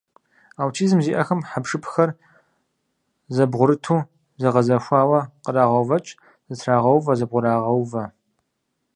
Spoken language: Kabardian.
Аутизм зиӀэхэм хьэпшыпхэр зэбгъурыту, зэгъэзэхуауэ кърагъэувэкӀ, зэтрагъэувэ, зэбгъурагъэувэ.